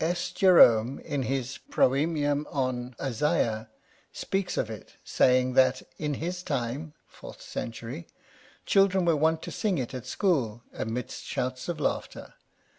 S. Jerome, in his " Procemium on Isaiah," speaks of it, saying, that in his time (fourth century) children were wont to sing it at school, amidst shouts of laughter.